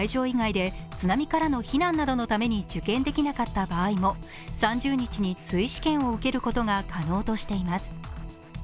意外で津波からの避難などのために受験できなかった場合も３０日に追試験を受けることが可能としています。